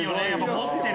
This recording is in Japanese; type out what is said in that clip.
持ってる。